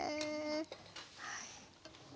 はい。